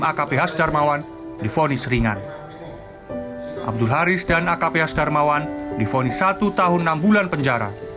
akphs darmawan di ponis ringan abdul haris dan akphs darmawan di ponis satu tahun enam bulan penjara